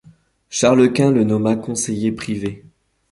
Charles Quint le nomma conseiller privé.